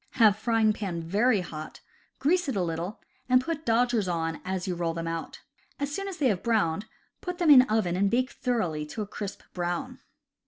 Have frying pan very hot, grease it a little, and put dodgers on as you roll them out. As soon as they have browned, put them in oven and bake thoroughly to a crisp brown.